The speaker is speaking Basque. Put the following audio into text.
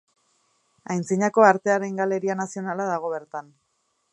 Aintzinako Artearen Galeria Nazionala dago bertan.